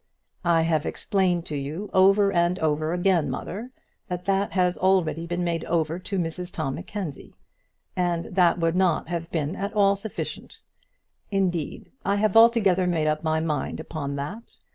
"I have explained to you over and over again, mother, that that has already been made over to Mrs Tom Mackenzie; and that would not have been at all sufficient. Indeed, I have altogether made up my mind upon that.